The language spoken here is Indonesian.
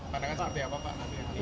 pandangan seperti apa pak